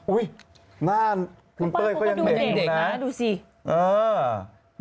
อุ้ยหน้าคุณเต้ยก็ยังเด็กอยู่นะ